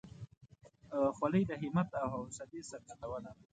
خولۍ د همت او حوصلې څرګندونه ده.